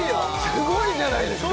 すごいじゃないですか！